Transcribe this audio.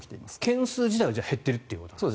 件数自体は減っているということですか。